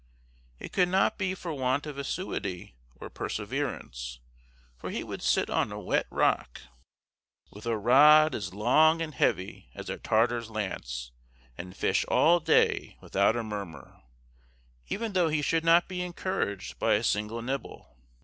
It could not be for want of assiduity or perseverance; for he would sit on a wet rock, with a rod as long and heavy as a Tartar's lance, and fish all day without a murmur, even though he should not be encouraged by a single nibble.